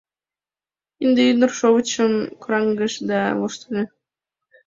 Ынде ӱдыр шовычшым кораҥдыш да воштыльо.